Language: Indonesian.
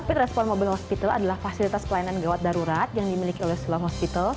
rapid response mobile hospital adalah fasilitas pelayanan gawat darurat yang dimiliki oleh sulaw hospital